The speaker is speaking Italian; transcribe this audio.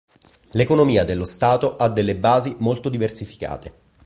L'economia dello Stato ha delle basi molto diversificate.